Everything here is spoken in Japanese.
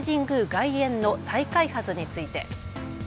外苑の再開発について。